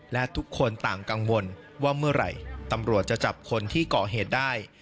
และทุกคนต่างกังวลว่าเมื่อไหร่ตำรวจจะจับคนที่ก่อเหตุได้